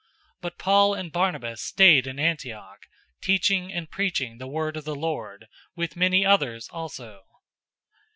} 015:035 But Paul and Barnabas stayed in Antioch, teaching and preaching the word of the Lord, with many others also.